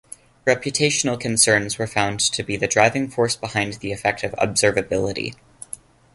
Reputational concerns were found to be the driving force behind the effect of observability.